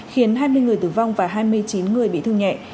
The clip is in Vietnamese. khiến hai mươi người tử vong và hai mươi chín người bị thương nhẹ